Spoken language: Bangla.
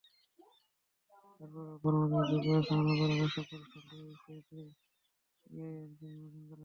দরপত্র আহ্বানের মাধ্যমে যোগ্য ব্যবস্থাপনা পরামর্শক প্রতিষ্ঠান হিসেবে ইআইএলকে নির্বাচন করা হয়েছে।